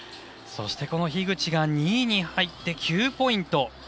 この樋口が２位に入って９ポイント。